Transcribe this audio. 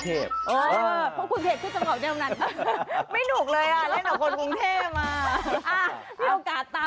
เออแค่นั้นแหละ